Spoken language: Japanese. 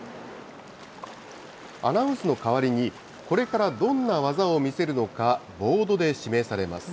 アナウンスの代わりに、これからどんな技を見せるのか、ボードで示されます。